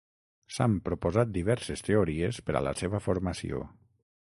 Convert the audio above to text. S'han proposat diverses teories per a la seva formació.